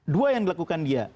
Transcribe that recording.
dua yang dilakukan dia